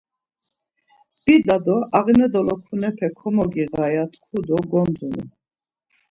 Bida do ağne dolokunape komogiğa ya tku do gondunu.